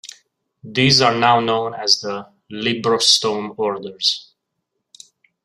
These are now known as the "Librostome Orders".